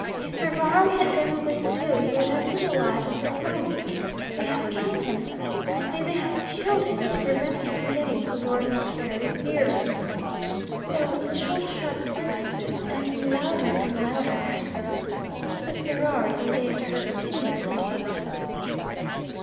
If Ferrari had gone away too, he would have been alive at this moment. They have killed him. I say they have killed him, to prevent it from getting to Lord Montbarry's ears.' So, in short sharp sentences, and in louder and louder accents, Mrs. Ferrari stated her opinion of the case.